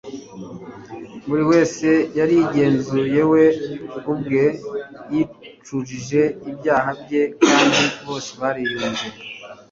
Buri wese yarigenzuye we ubwe, yicujije ibyaha bye kandi bose bariyunze.